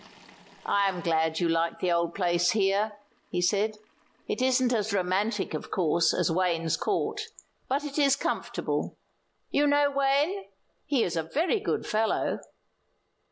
"I am glad you like the old place here," he said. "It isn't as romantic, of course, as Wayne's Court, but it is comfortable. You know Wayne? He is a very good fellow."